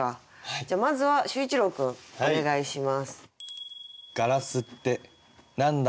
じゃあまずは秀一郎君お願いします。